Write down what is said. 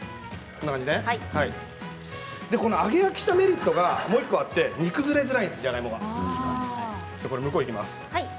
この揚げ焼きしたメリットがもう１個あって煮崩れしづらいんですじゃがいもが。